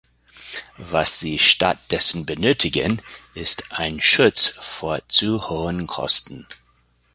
Was sie statt dessen benötigen, ist ein Schutz vor zu hohen Kosten.